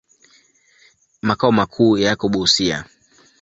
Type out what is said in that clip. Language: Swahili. Makao makuu yako Busia.